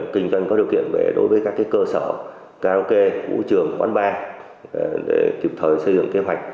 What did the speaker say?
kinh doanh có điều kiện về đối với các cơ sở karaoke vũ trường quán bar để kịp thời xây dựng kế hoạch